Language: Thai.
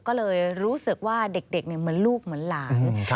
ก็เลยรู้สึกว่าเด็กเหมือนลูกเหมือนหลาน